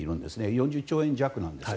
４０兆円弱なんです。